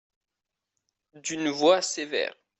D’une voix sévère.